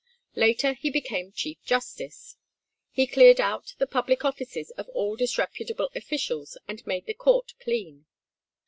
Later he became Chief Justice. He cleared out the public offices of all disreputable officials, and made the Court clean.